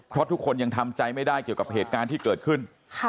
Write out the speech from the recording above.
เพราะทุกคนยังทำใจไม่ได้เกี่ยวกับเหตุการณ์ที่เกิดขึ้น